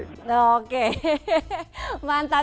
oke mantap terima kasih mas wahyu